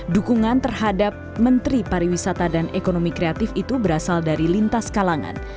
dukungan terhadap menteri pariwisata dan ekonomi kreatif itu berasal dari lintas kalangan